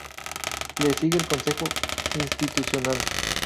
Le sigue el Consejo Institucional.